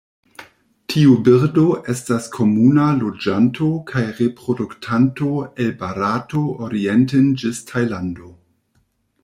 Tiu birdo estas komuna loĝanto kaj reproduktanto el Barato orienten ĝis Tajlando.